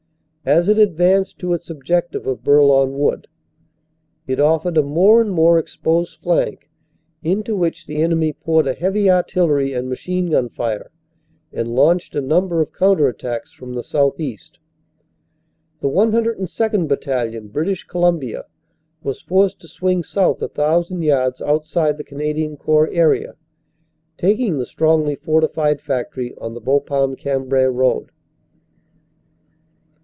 As it advanced to its objective of Bourlon Wood, it offered a more and more exposed flank, into which the enemy poured a heavy artillery and machine gun fire, and launched a number of counter at tacks from the southeast. The 102nd. Battalion, British Col umbia, was forced to swing south a thousand yards outside the OPERATIONS: SEPT. 27 223 Canadian Corps area, taking the strongly fortified factory on the Bapaume Cambrai road.